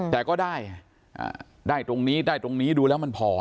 แต่ก็ได้ได้ตรงนี้ได้ตรงนี้ดูแล้วมันพอ